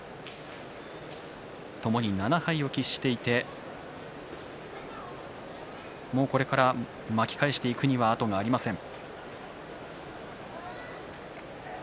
ともに７敗を喫していてもうこれから巻き返していくには後がありません。